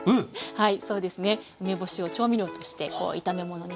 はい。